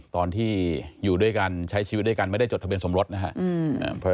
เธอไม่ให้ฉันเห็นพลักษณ์เธอไม่ให้ฉันคุยกับพลักษณ์